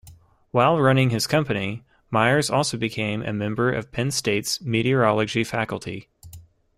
While running his company, Myers also became a member of Penn State's meteorology faculty.